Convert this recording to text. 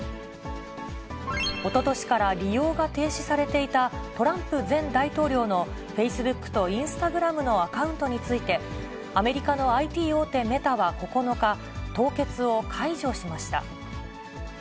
おととしから利用が停止されていた、トランプ前大統領のフェイスブックとインスタグラムのアカウントについて、アメリカのＩＴ大手メタは９日、凍結を解除しました。